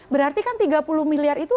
berarti kan tiga puluh miliar itu